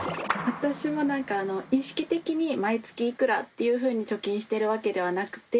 私もなんか意識的に毎月いくらっていうふうに貯金してるわけではなくて。